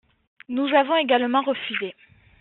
Nous avons également refusé.